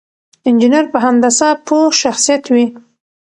انجينر په هندسه پوه شخصيت وي.